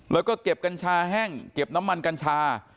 แล้วก็เก็บกัญชาแห้งเก็บน้ำมันกัญชา